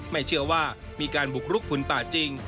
ไม่เชื่อว่ามีการบุกรุกผืนป่าจริง